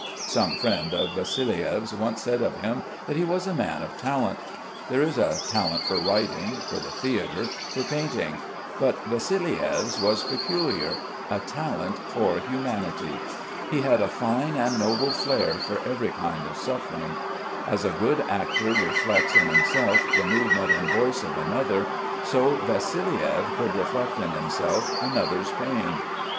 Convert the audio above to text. Some friend of Vassiliev's once said of him that he was a man of talent. There is a talent for writing, for the theatre, for painting; but Vassiliev's was peculiar, a talent for humanity. He had a fine and noble flair for every kind of suffering. As a good actor reflects in himself the movement and voice of another, so Vassiliev could reflect in himself another's pain.